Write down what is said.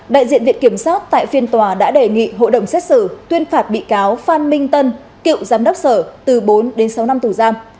đại diện viện kiểm soát tại phiên tòa đã đề nghị hội đồng xét xử tuyên phạt bị cáo phan minh tân cựu giám đốc sở từ bốn đến sáu năm tù giam